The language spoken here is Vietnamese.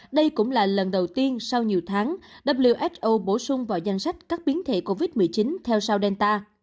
đây cũng là lần đầu tiên sau nhiều tháng who bổ sung vào danh sách các biến thể covid một mươi chín theo sau delta